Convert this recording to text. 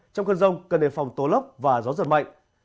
trong khuôn rông cơn đề phòng tô lóc và gió giật mạnh